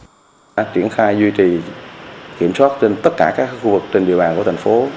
chúng ta duy trì kiểm soát trên tất cả các khu vực trên địa bàn của thành phố